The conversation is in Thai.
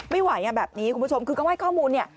ไม่ไหวคุณผู้ชมคือก็ไว้ข้อมูลนี่